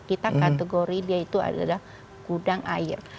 kita kategori dia itu adalah gudang air